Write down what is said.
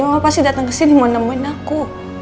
mama pasti dateng kesini mau nemuin aku